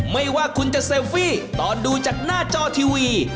ไม่ว่าคุณจะเซลฟี่ตอนดูจากหน้าจอทีวี